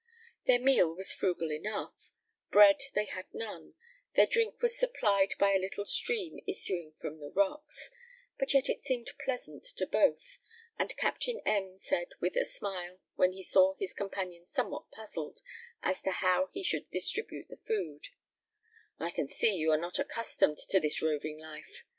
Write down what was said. Their meal was frugal enough; bread they had none; their drink was supplied by a little stream issuing from the rocks; but yet it seemed pleasant to both, and Captain M said, with a smile, when he saw his companion somewhat puzzled as to how he should distribute the food, "I can see you are not accustomed to this roving life.